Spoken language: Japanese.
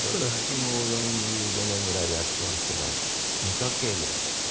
私も４５年ぐらいやってますが２家系ぐらいですね。